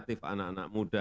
bisa menjadi pusat penggerak